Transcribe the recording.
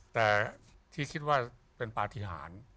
แต่ที่คิดว่าเป็นปฏิหาร